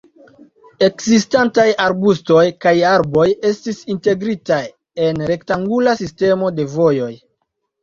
Ekzistantaj arbustoj kaj arboj estis integritaj en rektangula sistemo de vojoj.